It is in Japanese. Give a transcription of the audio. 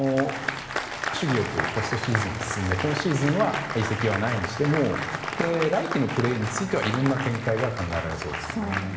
ポストシーズンまで進んで今シーズンは移籍はないにしても来季のプレーについてはいろんな展開が考えられそうですね。